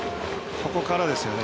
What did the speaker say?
ここからですよね。